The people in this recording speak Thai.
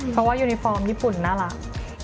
เพราะว่ายูนิฟอร์มญี่ปุ่นน่ารัก